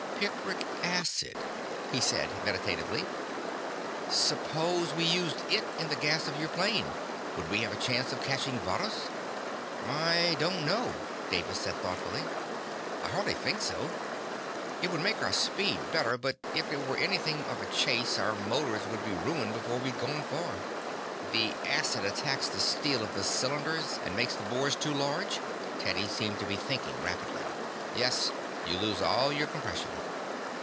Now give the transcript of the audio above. "Picric acid," he said meditatively. "Suppose we used it in the gas of your plane. Would we have a chance of catching Varrhus?" "I don't know," Davis said thoughtfully. "I hardly think so. It would make our speed better, but if it were anything of a chase our motors would be ruined before we'd gone far." "The acid attacks the steel of the cylinders and makes the bore too large?" Teddy seemed to be thinking rapidly. "Yes. You lose all your compression."